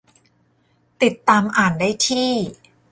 - ติดตามอ่านได้ที่